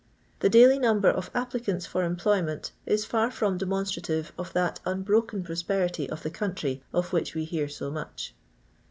The doily number of applicanU for employment is far from demonstrative of that unbroken pros perity of the country, of which we hear so much.